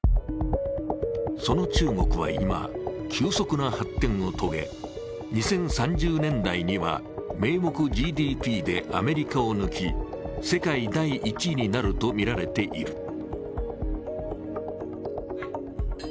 その中国は今、急速な発展を遂げ、２０３０年代には名目ＧＤＰでアメリカを抜き、世界第１位になると見られている。